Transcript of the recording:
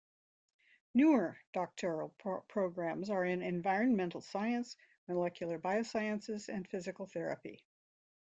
Newer doctoral programs are in environmental science, molecular biosciences and physical therapy.